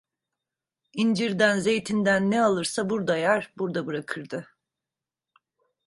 İncirden, zeytinden ne alırsa burda yer, burda bırakırdı.